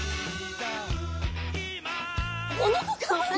この子かわいい！